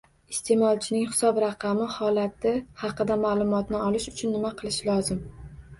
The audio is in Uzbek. Isteʼmolchining hisob raqami holati hakida maʼlumotni olish uchun nima qilish lozim?